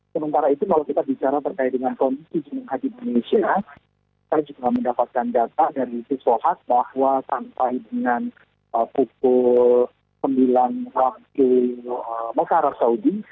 sementara itu kalau kita bicara berkait dengan komisi cumbang haji indonesia saya juga mendapatkan data dari fiswohat bahwa sampai dengan pukul sembilan waktu masyarakat saudi